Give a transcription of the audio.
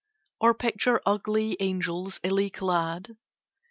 Or picture ugly angels, illy clad?